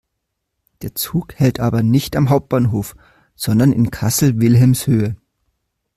Der Zug hält aber nicht am Hauptbahnhof, sondern in Kassel-Wilhelmshöhe.